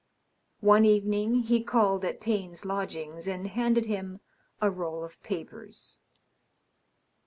One evening he called at Payne's lodgings and handed him a roll of papers.